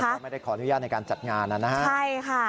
แล้วเขาไม่ได้ขออนุญาตในการจัดงานนั้นนะครับ